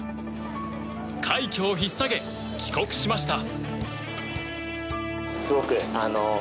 快挙を引っ提げ帰国しました。